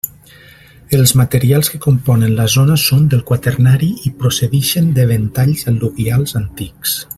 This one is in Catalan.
Els materials que componen la zona són del Quaternari i procedixen de ventalls al·luvials antics.